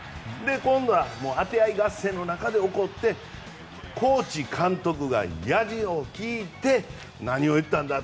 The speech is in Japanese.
今度は当て合い合戦の中で怒ってコーチ、監督がやじを聞いて何を言ったんだ！